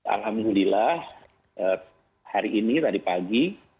alhamdulillah hari ini tadi pagi